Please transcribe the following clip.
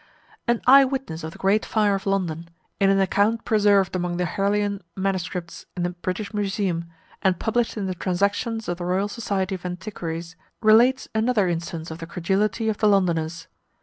An eye witness of the great fire of London, in an account preserved among the Harleian Mss. in the British Museum, and published in the transactions of the Royal Society of Antiquaries, relates another instance of the credulity of the Londoners.